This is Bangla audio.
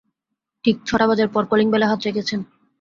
ঠিক ছটা বাজার পর কলিং বেলে হাত রেখেছেন।